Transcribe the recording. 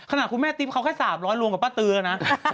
ขนาดคุณแม่ติ๊บเขาแค่สาบร้อยลวงกับป้าตือนะ